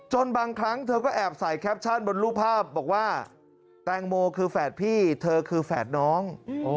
บางครั้งเธอก็แอบใส่แคปชั่นบนรูปภาพบอกว่าแตงโมคือแฝดพี่เธอคือแฝดน้อง